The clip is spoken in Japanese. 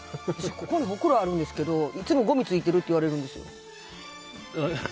私、ここにほくろあるんですけどいつもごみついてるって言われるんですよ。